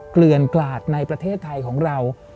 เกลือนกลาดในประเทศไทยของเรา